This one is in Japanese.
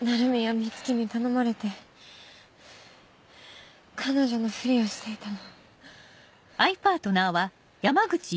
美月に頼まれて彼女のフリをしていたの。